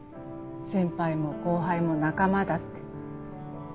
先輩も後輩も仲間だって。